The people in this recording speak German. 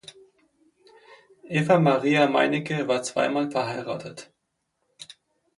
Eva-Maria Meineke war zweimal verheiratet.